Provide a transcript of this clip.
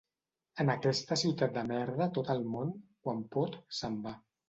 En aquesta ciutat de merda tot el món, quan pot, se'n va.